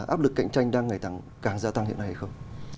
áp lực cạnh tranh đang ngày càng gia tăng hiện nay hay không